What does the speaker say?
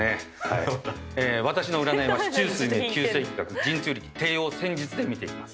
私の占いは四柱推命九星気学神通力帝王占術で見ていきます。